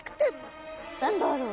何だろう？